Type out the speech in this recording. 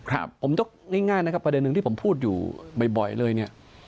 ผมยกง่ายนะครับประเด็นหนึ่งที่ผมพูดอยู่บ่อยเลยเนี่ย